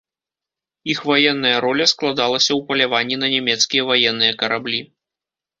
Іх ваенная роля складалася ў паляванні на нямецкія ваенныя караблі.